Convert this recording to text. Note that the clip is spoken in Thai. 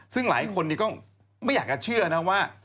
ซึ่งหลายคนก็ไม่อยากจะเชื่อนะว่า